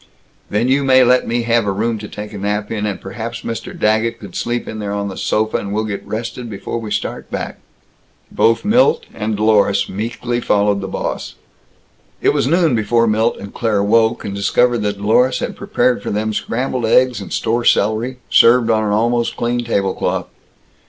"Then you may let me have a room to take a nap in, and perhaps Mr. Daggett could sleep in there on the sofa, and we'll get rested before we start back." Both Milt and Dlorus meekly followed the boss. It was noon before Milt and Claire woke, and discovered that Dlorus had prepared for them scrambled eggs and store celery, served on an almost clean table cloth.